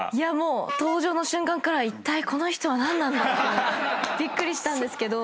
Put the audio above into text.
登場の瞬間からいったいこの人は何なんだってびっくりしたんですけど。